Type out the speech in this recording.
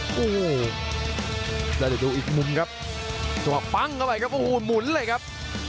โอ้โหแล้วเดี๋ยวดูอีกมุมครับจังหวะปั้งเข้าไปครับโอ้โหหมุนเลยครับ